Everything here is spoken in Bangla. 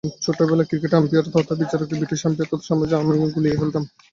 ছোটবেলায় ক্রিকেটের আম্পায়ার তথা বিচারককে ব্রিটিশ আম্পায়ার তথা সাম্রাজ্যের সঙ্গে আমিও গুলিয়ে ফেলতাম।